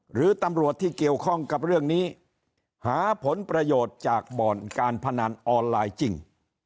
หรือตำรวจที่เกี่ยวข้องกับเรื่องนี้หาผลประโยชน์จากบ่อนการพนันออนไลน์จริง